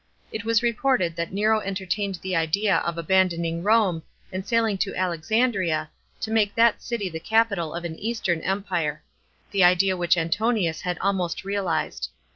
It was reported that Nero entertained the idea of abandoning Rome, and sailing to Alexandria, to make that city the capital of an eastern empire — the idea which Antonius had almost realised.